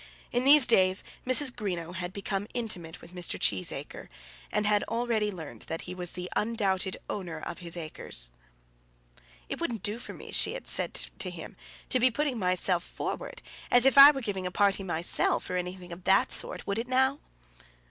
In these days Mrs. Greenow had become intimate with Mr. Cheesacre, and had already learned that he was the undoubted owner of his own acres. "It wouldn't do for me," she had said to him, "to be putting myself forward, as if I were giving a party myself, or anything of that sort; would it now?"